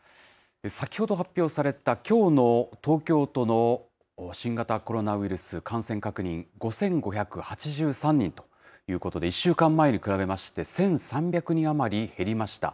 先ほど発表されたきょうの東京都の新型コロナウイルス感染確認、５５８３人ということで、１週間前に比べまして１３００人余り減りました。